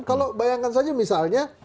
kalau bayangkan saja misalnya